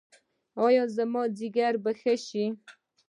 ایا زما ځیګر به ښه شي؟